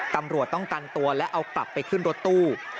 ตำรวจต้องกันตัวและเอากลับไปขึ้นรถตู้